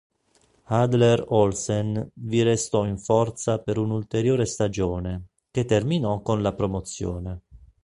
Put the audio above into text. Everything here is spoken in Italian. Hadler-Olsen vi restò in forza per un'ulteriore stagione, che terminò con la promozione..